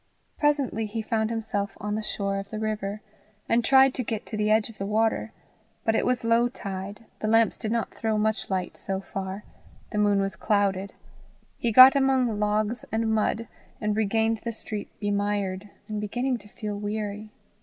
Presently he found himself on the shore of the river, and tried to get to the edge of the water; but it was low tide, the lamps did not throw much light so far, the moon was clouded, he got among logs and mud, and regained the street bemired, and beginning to feel weary.